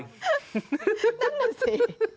นั่นน่ะสิ